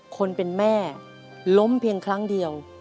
คนเป็นแม่ล้มเพียงครั้งเดียว